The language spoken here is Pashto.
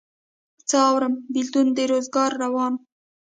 څه اورم بېلتونه د روزګار روان